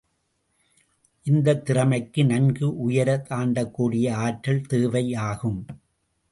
இந்தத் திறமைக்கு நன்கு உயரத் தாண்டக்கூடிய ஆற்றல் தேவையாகும்.